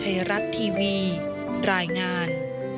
ไทยรัฐทีวีรายงาน